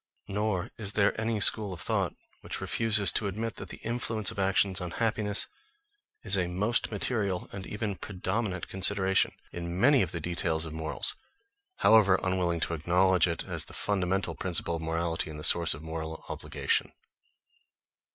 Nor is there any school of thought which refuses to admit that the influence of actions on happiness is a most material and even predominant consideration in many of the details of morals, however unwilling to acknowledge it as the fundamental principle of morality, and the source of moral obligation.